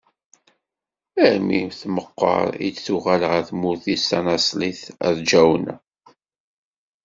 Armi tmeqqer i d-tuɣal ɣer tmurt-is tanaṣlit Rǧawna.